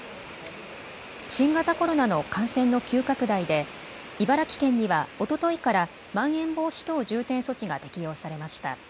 新型コロナの感染の急拡大で茨城県にはおとといからまん延防止等重点措置が適用されました。